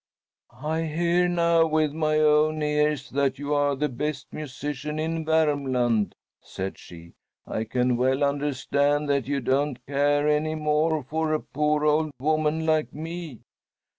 "I hear now with my own ears that you are the best musician in Vermland," said she. "I can well understand that you do not care any more for a poor old woman like me!"